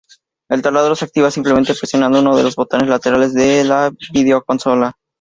El taladro se activa simplemente presionando uno de los botones laterales de la videoconsola.